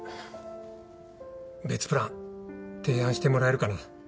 別プラン提案してもらえるかな？